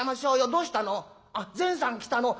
「どうしたの？